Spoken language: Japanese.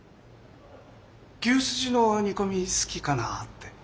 牛すじの煮込み好きかなあって。